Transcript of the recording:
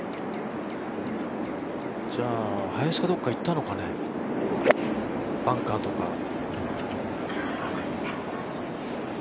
じゃあ、林かどっか行ったのかね、バンカーとか。